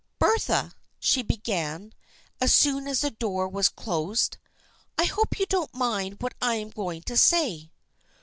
" Bertha," she began, as soon as the door was closed, " I hope you won't mind what I am going to say."